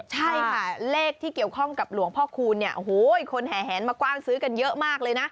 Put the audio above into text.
ใช่ค่ะเลขที่เกี่ยวข้องกับหลวงพ่อคูณคนแหงมากว้างซื้อกันเยอะมากเลยนะ